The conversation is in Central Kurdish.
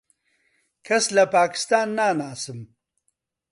کەس لە پاکستان ناناسم.